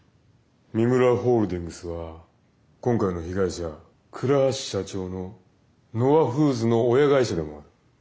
三村ホールディングスは今回の被害者倉橋社長のＮＯＡフーズの親会社でもある。